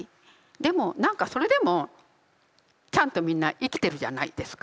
でも何かそれでもちゃんとみんな生きてるじゃないですか。